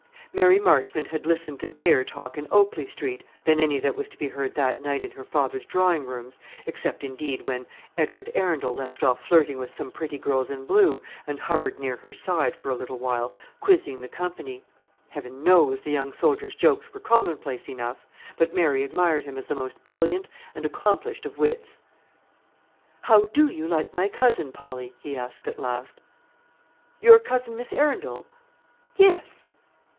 Mary Marchmont had listened to gayer talk in Oakley Street than any that was to be heard that night in her father's drawing rooms, except indeed when Edward Arundel left off flirting with some pretty girls in blue, and hovered near her side for a little while, quizzing the company. Heaven knows the young soldier's jokes were commonplace enough; but Mary admired him as the most brilliant and accomplished of wits. "How do you like my cousin, Polly?" he asked at last. "Your cousin, Miss Arundel?" "Yes."